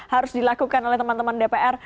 harus dilakukan oleh teman teman dpr